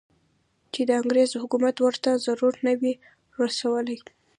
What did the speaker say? چې د انګریز حکومت ورته ضرر نه وي رسولی.